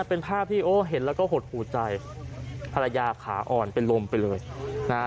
เป็นภาพที่โอ้เห็นแล้วก็หดหูใจภรรยาขาอ่อนเป็นลมไปเลยนะฮะ